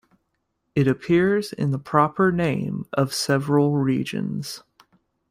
It appears in the proper name of several regions.